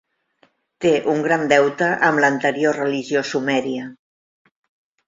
Té un gran deute amb l'anterior religió sumèria.